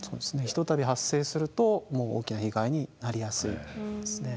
ひとたび発生すると大きな被害になりやすいですね。